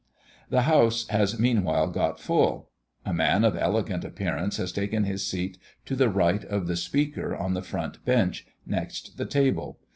The house has meanwhile got full. A man of elegant appearance has taken his seat to the right of the speaker on the front bench, next the table.